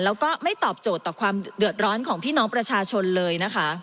แล้วก็ไม่ตอบโจทย์ต่อความเดือดร้อนของพี่น้องประชาชนเลยนะคะ